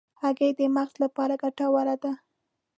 هګۍ د مغز لپاره ګټوره ده.